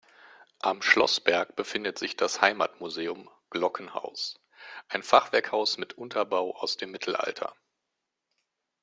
Am Schlossberg befindet sich das Heimatmuseum „Glockenhaus“, ein Fachwerkhaus mit Unterbau aus dem Mittelalter.